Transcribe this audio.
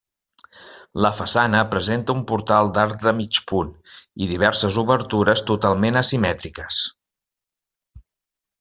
La façana presenta un portal d'arc de mig punt i diverses obertures totalment asimètriques.